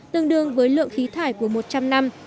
tương đương với lượng khí thải của một trăm linh năm